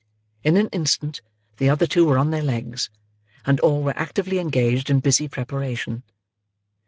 In an instant, the other two were on their legs, and all were actively engaged in busy preparation.